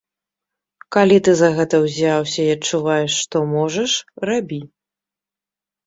Калі ты за гэта ўзяўся і адчуваеш, што можаш, рабі.